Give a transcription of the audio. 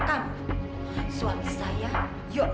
kenapa emang ya